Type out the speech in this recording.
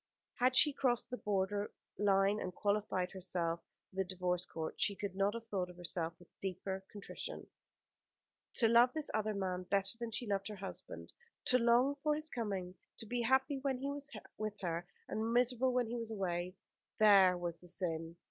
Had she crossed the border line, and qualified herself for the Divorce Court, she could not have thought of herself with deeper contrition. To love this other man better than she loved her husband; to long for his coming; to be happy when he was with her, and miserable when he was away; there was the sin.